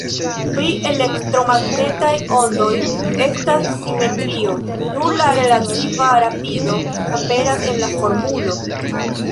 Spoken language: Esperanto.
Pri elektromagnetaj ondoj estas simetrio, nur la relativa rapido aperas en la formulo.